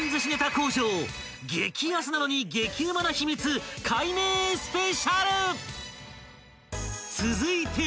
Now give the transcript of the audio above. ［激安なのに激ウマな秘密解明スペシャル！］